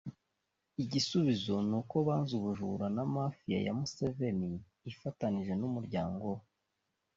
igisubizo n’uko banze ubujura na Mafia ya Museveni afatanije n’umuryango we